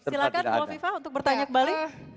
silahkan bapak viva untuk bertanya kembali